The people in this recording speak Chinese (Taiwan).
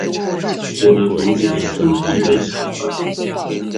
我的獨家生意被搶了